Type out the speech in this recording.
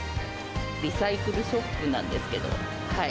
リサイクルショップなんですけど。